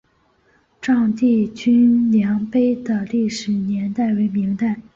丈地均粮碑的历史年代为明代。